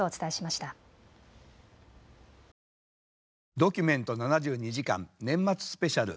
「ドキュメント７２時間年末スペシャル」。